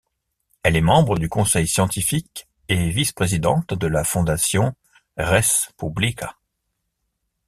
Elle est membre du conseil scientifique et vice-présidente de la fondation Res Publica.